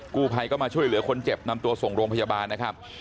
กู้ภัยก็มาช่วยเหลือคนเจ็บนำตัวส่งโรงพยาบาลนะครับ